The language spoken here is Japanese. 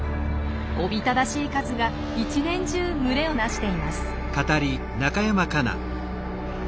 おびただしい数が一年中群れをなしています。